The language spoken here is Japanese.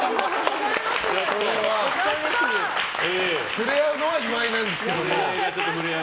触れ合うのは岩井なんですけども。